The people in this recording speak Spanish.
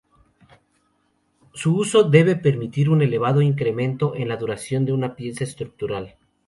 Su uso debe permitir un elevado incremento en la duración de una pieza estructural.